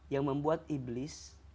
yang membuat iblis